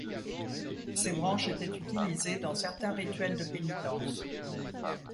Ses branches étaient utilisées dans certains rituels de pénitence.